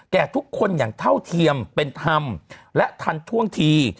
แก่ทุกคนอย่างเท่าเทียมเป็นธรรมและทันท่วงที